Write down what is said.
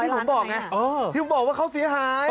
บอกที่ผมบอกไงที่บอกว่าเขาเสียหาย